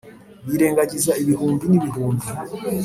birengagize ibihumbi n'ibihumbi